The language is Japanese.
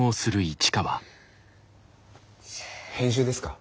編集ですか？